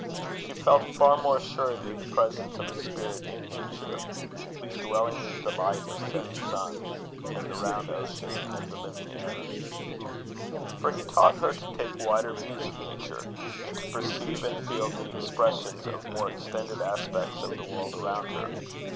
She felt far more assuredly the presence of a spirit in nature, "Whose dwelling is the light of setting suns, And the round ocean, and the living air;" for he taught her to take wider views of nature, and to perceive and feel the expressions of more extended aspects of the world around her.